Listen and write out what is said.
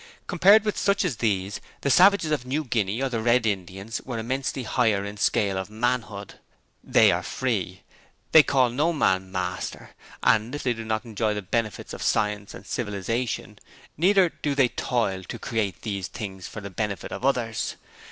Compared with such as these, the savages of New Guinea or the Red Indians are immensely higher in the scale of manhood. They are free! They call no man master; and if they do not enjoy the benefits of science and civilization, neither do they toil to create those things for the benefit of others.